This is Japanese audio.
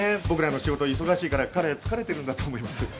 僕らの仕事忙しいから彼疲れてるんだと思います。